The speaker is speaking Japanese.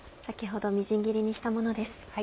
先ほどみじん切りにしたものです。